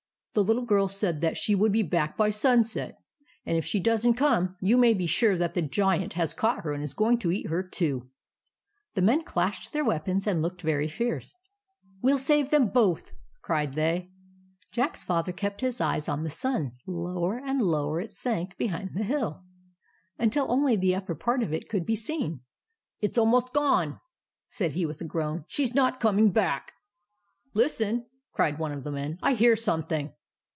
" The little girl said that she would be back by sunset; and if she does n't come, you may be sure that the Giant has caught her and is going to eat her too." The men clashed their weapons, and looked very fierce. " We '11 save them both !" cried they. Jack's Father kept his eye on the sun. Lower and lower it sank behind the hill, until only the upper part of it could be seen. " It 's almost gone," said he, with a groan. " She 's not coming back." " Listen !" cried one of the men. " I hear something."